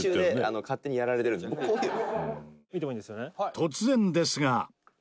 突然ですが。